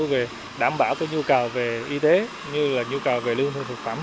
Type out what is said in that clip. về đảm bảo nhu cầu về y tế như là nhu cầu về lưu hương thực phẩm